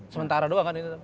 sementara doang kan itu